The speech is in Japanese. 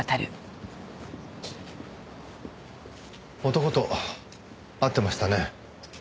男と会ってましたね。